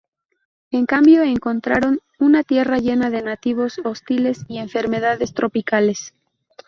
En cambio, encontraron una tierra llena de nativos hostiles y enfermedades tropicales.